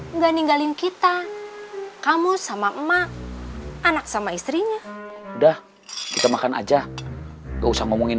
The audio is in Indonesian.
enggak ninggalin kita kamu sama emak anak sama istrinya udah kita makan aja gak usah ngomongin